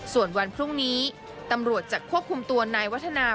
ส่วนวันพรุ่งนี้ตำรวจจะควบคุมตัวนายวัฒนา